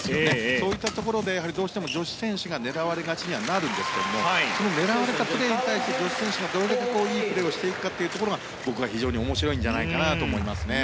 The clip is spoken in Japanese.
そういったところで、どうしても女子選手が狙われがちにはなるんですけれども狙われたプレーに対して女子選手がどれだけいいプレーをしていくかというところが僕は非常に面白いんじゃないかなと思いますね。